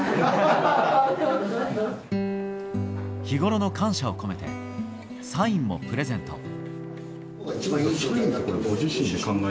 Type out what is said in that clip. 日ごろの感謝を込めてサインもプレゼント。